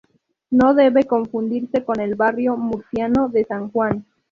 No debe confundirse con el barrio murciano de San Juan.